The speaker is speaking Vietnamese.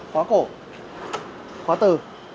khóa cổ khóa từ